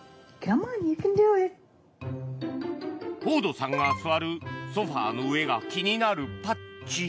フォードさんが座るソファの上が気になるパッチ。